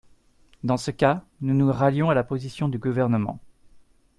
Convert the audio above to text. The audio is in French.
Dans ce cas, nous nous rallions à la position du Gouvernement.